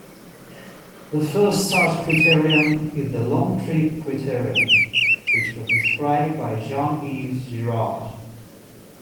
The first such criterion is the long-trip criterion which was described by Jean-Yves Girard.